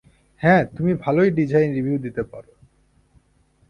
হ্যাঁ, তুমি ভালোই ডিজাইন রিভিউ দিতে পারো।